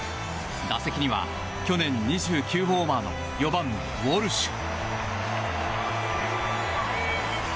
打席には去年２９ホーマーの４番ウォルシュ。